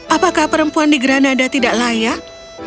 apakah perempuan di granada tidak layak